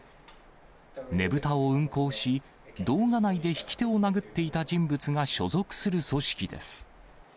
ねぶたを運行し、動画内で引き手を殴っていた人物が所属する組織です。